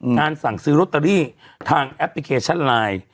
สั่งซื้อโรตเตอรี่ทางแอปพลิเคชันไลน์